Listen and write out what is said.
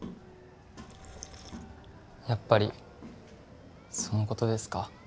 やっぱりそのことですか